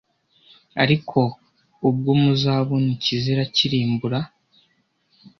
Ariko ubwo muzabona ikizira kirimbura